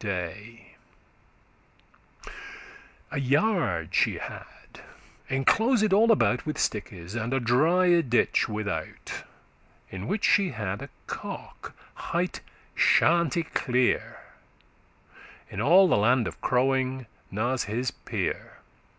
* *kind of day labourer* <2> A yard she had, enclosed all about With stickes, and a drye ditch without, In which she had a cock, hight Chanticleer; In all the land of crowing *n'as his peer.